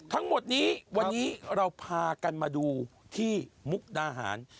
ทั้งหมดนี้วันนี้เราพากันมาดูที่มุกดาหาร